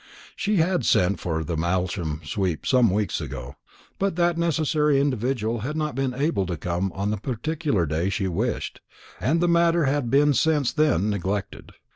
She had sent for the Malsham sweep some weeks ago; but that necessary individual had not been able to come on the particular day she wished, and the matter had been since then neglected.